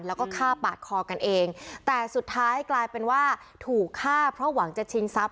แล้วก็ฆ่าปาดคอกันเองแต่สุดท้ายกลายเป็นว่าถูกฆ่าเพราะหวังจะชิงทรัพย